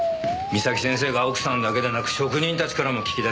岬先生が奥さんだけでなく職人たちからも聞き出した。